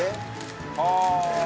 ああ！